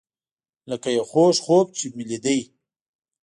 لکه یو خوږ خوب چې مې لیدی.